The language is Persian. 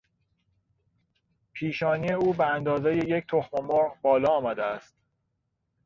پیشانی او به اندازهی یک تخممرغ بالا آمده است.